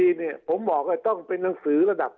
คราวนี้เจ้าหน้าที่ป่าไม้รับรองแนวเนี่ยจะต้องเป็นหนังสือจากอธิบดี